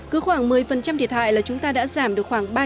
cứ khoảng một mươi thiệt hại là chúng ta đã giảm được khoảng